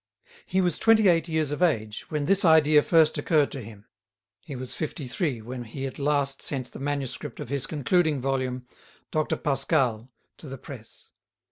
He was twenty eight years of age when this idea first occurred to him; he was fifty three when he at last sent the manuscript of his concluding volume, "Dr. Pascal," to the press.